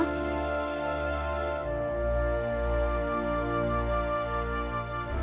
secara bersas media kan